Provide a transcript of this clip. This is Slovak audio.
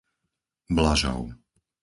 Blažov